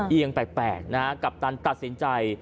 เอียงแปลกนะฮะกัปตันตัดสินใจ